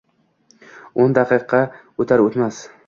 o'n daqiqa o'tar- o'tmas